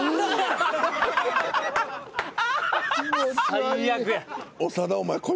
最悪や。